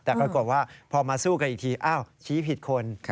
แต่ปรากฏว่าพอมาสู้กันอีกทีอ้าวชี้ผิดคน